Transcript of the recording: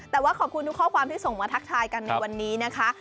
แต่ว่าขอบคุณทุกข้อความที่ส่งมาทักทายกันในวันนี้นะคะ